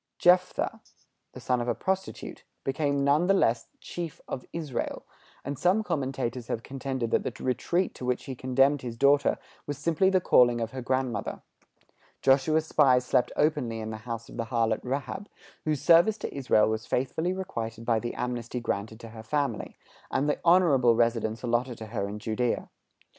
Jephtha, the son of a prostitute, became none the less chief of Israel; and some commentators have contended that the retreat to which he condemned his daughter was simply the calling of her grandmother. Joshua's spies slept openly in the house of the harlot Rahab, whose service to Israel was faithfully requited by the amnesty granted to her family, and the honorable residence allotted to her in Judæa.